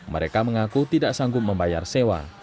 mereka mengaku tidak sanggup membayar sewa